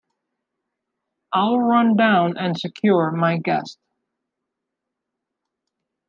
I’ll run down and secure my guest.